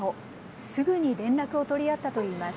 すぐに連絡を取り合ったといいます。